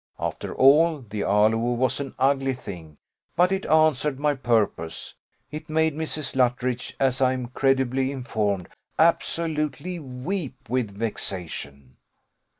After all, the aloe was an ugly thing; but it answered my purpose it made Mrs. Luttridge, as I am credibly informed, absolutely weep with vexation.